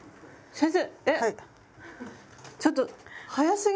先生